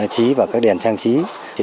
trí và các đèn trang trí